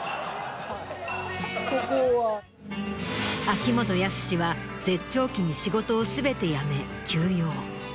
秋元康は絶頂期に仕事を全て辞め休養。